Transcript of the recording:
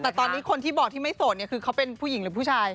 แต่ตอนนี้คนที่บอกที่ไม่โสดเนี่ยคือเขาเป็นผู้หญิงหรือผู้ชาย